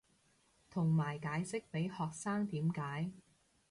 同埋解釋被學生點解